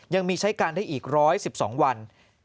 ยังมีใช้การได้อีก๑๑๒วัน